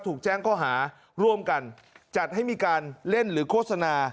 ถูกแจ้งข้อหาร่วมกันจัดให้มีการเล่นหรือโฆษณา